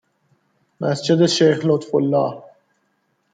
مسجد شیخ لطفالله